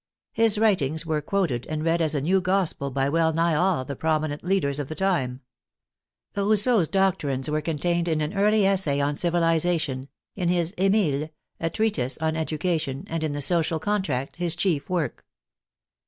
His writings were quoted and read as a new gospel by well nigh all the prominent leaders of the time. Rousseau's doctrines were contained in an early essay on civilization, in his Emile, a treatise on Education, and in the Social Contract, his chief work.